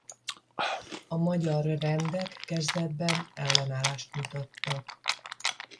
A magyar rendek kezdetben ellenállást mutattak.